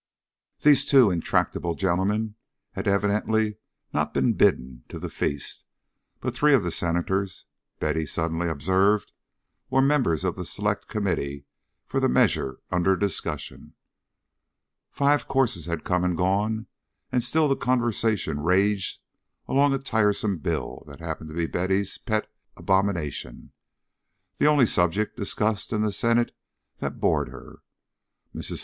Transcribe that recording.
These two intractable gentlemen had evidently not been bidden to the feast; but three of the Senators, Betty suddenly observed, were members of the Select Committee for the measure under discussion. Five courses had come and gone, and still the conversation raged along a tiresome bill that happened to be Betty's pet abomination, the only subject discussed in the Senate that bored her. Mrs.